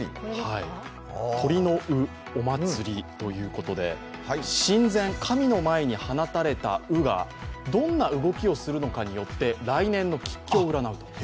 鳥の鵜、お祭りということで神前、神の前に放たれた鵜がどんなふうに飛ぶかによって来年の吉凶を占う。